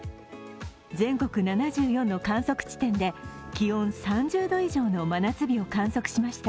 全国７４の観測地点で気温３０度以上の真夏日を観測しました。